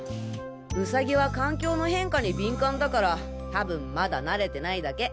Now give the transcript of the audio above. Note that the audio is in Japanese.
ウサギは環境の変化に敏感だからたぶんまだ慣れてないだけ。